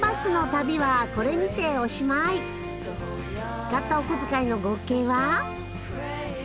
使ったおこづかいの合計は？